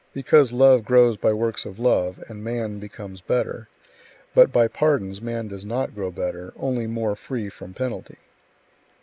Because love grows by works of love, and man becomes better; but by pardons man does not grow better, only more free from penalty.